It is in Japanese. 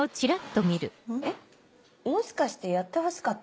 えっもしかしてやってほしかった？